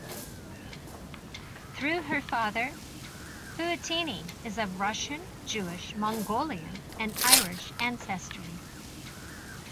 Through her father, Fujitani is of Russian-Jewish, Mongolian and Irish ancestry.